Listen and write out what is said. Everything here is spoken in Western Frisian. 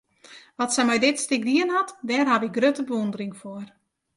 Wat sy mei dit stik dien hat, dêr haw ik grutte bewûndering foar.